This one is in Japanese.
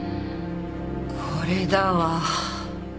これだわ。